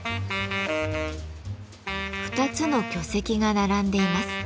２つの巨石が並んでいます。